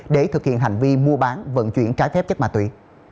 để thực hiện hành vi mua bán vận chuyển trái phép chất ma túy